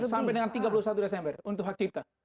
sampai dengan tiga puluh satu desember untuk hak cipta